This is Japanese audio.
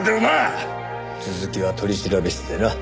続きは取調室でな。